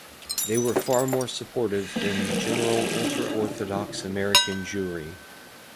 They were far more supportive than the general Ultra-Orthodox American Jewry.